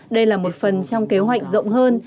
đây là một phần trong kế hoạch rộng hơn